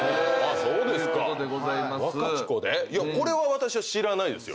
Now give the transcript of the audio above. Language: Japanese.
これは私は知らないですよ。